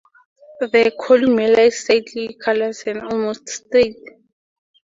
The columella is slightly callous and almost straight.